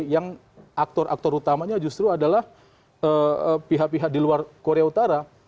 yang aktor aktor utamanya justru adalah pihak pihak di luar korea utara